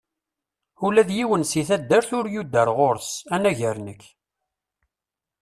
Ula d yiwen seg at taddart ur yuder ɣur-s, anagar nekk.